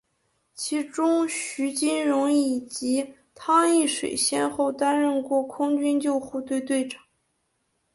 其中徐金蓉以及汤水易先后担任过空军救护队队长。